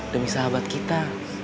demi sahabat kita